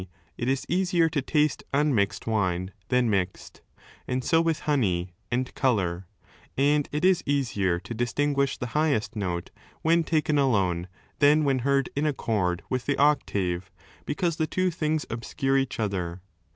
it is easier to taste unmixed wine than mixed, and so with honey and colour, and it is easier to dis tinguish the highest note when taken alone than when heard in accord with the octave, because the two things 3 obscure each other.